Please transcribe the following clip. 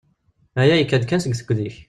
Aya yekka-d kan seg tugdi-ik.